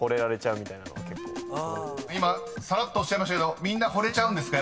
［今さらっとおっしゃいましたけどみんなほれちゃうんですか？